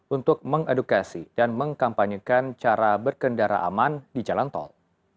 untuk mengedukasi dan mengkampanyekan cara berkendara aman di jalan tol